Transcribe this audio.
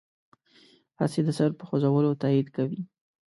هسې د سر په خوځولو تایید کوي.